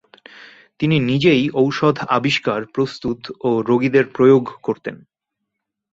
তিনি নিজেই ঔষধ আবিষ্কার, প্রস্তুত ও রোগীদেরকে প্রয়োগ করতেন।